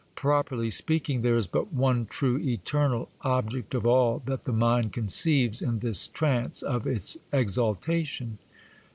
Properly speaking, there is but One true, eternal Object of all that the mind conceives in this trance of its exaltation.